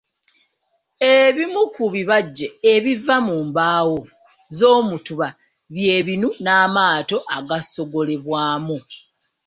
Ebimu ku bibajje ebiva mu mbaawo z'omutuba by'ebinu n'amaato agasogolebwamu.